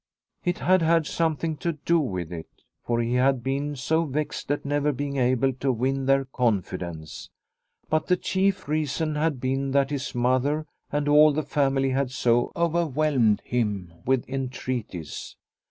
It had had something to do with it, for he had been so vexed at never being able to win their confidence. But the chief reason had been that his mother and all the family had so 154 Liliecrona's Home overwhelmed him with entreaties.